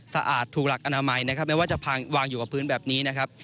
สะอาดถูกหลักอนามัยนะครับไม่ว่าจะวางอยู่กับพื้นแบบนี้นะครับ